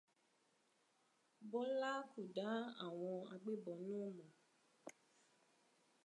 Bọ́lá kò dá àwọn agbébọn náà mọ̀.